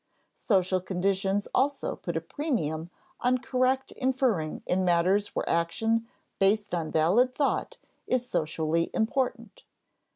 Social conditions also put a premium on correct inferring in matters where action based on valid thought is socially important.